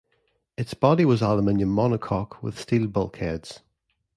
Its body was aluminium monocoque with steel bulkheads.